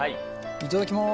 いただきます。